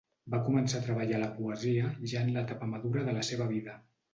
Va començar a treballar la poesia ja en l'etapa madura de la seva vida.